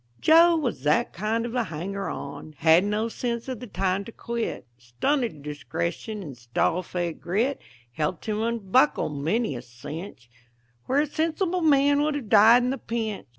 Joe was that kind of a hanger on; Hadn't no sense of the time to quit; Stunted discretion and stall fed grit Helped him unbuckle many a cinch, Where a sensible man would have died in the pinch.